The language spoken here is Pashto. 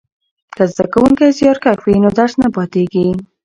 که زده کوونکی زیارکښ وي نو درس نه پاتیږي.